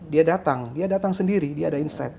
dia datang dia datang sendiri dia ada insight